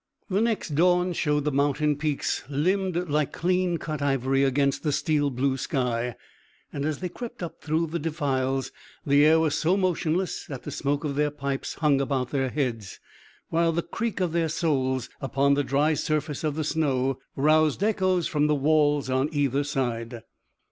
The next dawn showed the mountain peaks limned like clean cut ivory against the steel blue sky, and as they crept up through the defiles the air was so motionless that the smoke of their pipes hung about their heads, while the creak of their soles upon the dry surface of the snow roused echoes from the walls on either side.